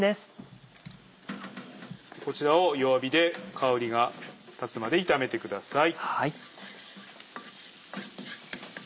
こちらを弱火で香りが立つまで炒めてください。